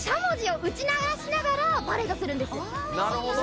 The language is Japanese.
なるほど！